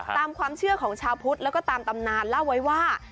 ตามความเชื่อของชาวพุทธแล้วก็ตามตำนานเล่าไว้ว่า